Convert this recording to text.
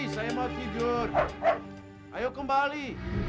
sayangkan tidur ayo kembali